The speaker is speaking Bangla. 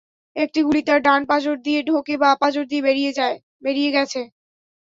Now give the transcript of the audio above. একটি গুলি তাঁর ডান পাঁজর দিয়ে ঢোকে বাঁ পাঁজর দিয়ে বেরিয়ে গেছে।